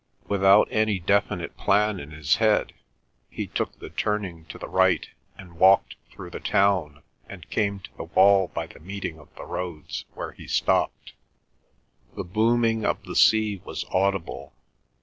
Without any definite plan in his head, he took the turning to the right and walked through the town and came to the wall by the meeting of the roads, where he stopped. The booming of the sea was audible.